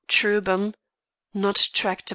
Trubum Not tractable.